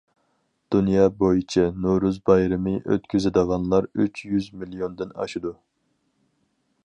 دۇنيا بويىچە نورۇز بايرىمى ئۆتكۈزىدىغانلار ئۈچ يۈز مىليوندىن ئاشىدۇ.